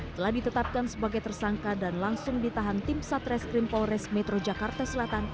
telah ditetapkan sebagai tersangka dan langsung ditahan tim satreskrim polres metro jakarta selatan